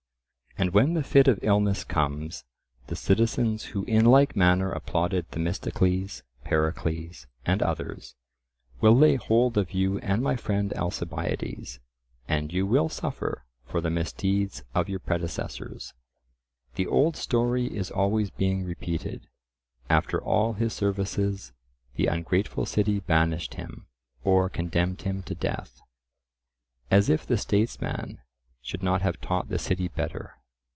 And when the fit of illness comes, the citizens who in like manner applauded Themistocles, Pericles, and others, will lay hold of you and my friend Alcibiades, and you will suffer for the misdeeds of your predecessors. The old story is always being repeated—"after all his services, the ungrateful city banished him, or condemned him to death." As if the statesman should not have taught the city better!